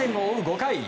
５回。